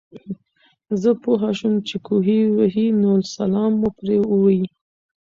زۀ پوهه شوم چې کوهے وهي نو سلام مو پرې ووې